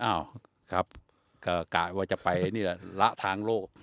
เอ้ากะว่าจะไปละทางโลก